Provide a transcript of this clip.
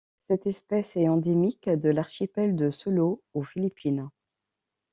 Cette espèce est endémique de l'archipel de Sulu aux Philippines.